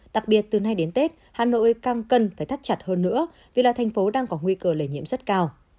đặc biệt từ nay đến tết hà nội càng cần phải thắt chặt hơn nữa vì là thành phố đang có nguy cơ lây nhiễm rất cao